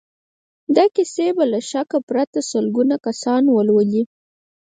دا کيسې به له شک پرته سلګونه کسان ولولي.